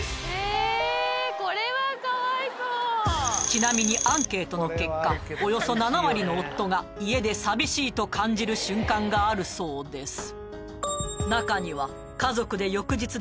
ちなみにアンケートの結果およそ７割の夫が家で寂しいと感じる瞬間があるそうです